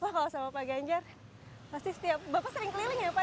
kalau sama pak ganjar pasti setiap bapak sering keliling ya pak